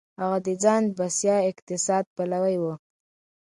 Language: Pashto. هغه د ځان بسيا اقتصاد پلوی و.